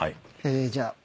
じゃあ。